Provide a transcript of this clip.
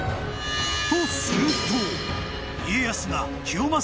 ［とすると］